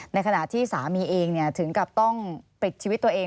ในขณะที่สามีเองถึงกับต้องปิดชีวิตตัวเอง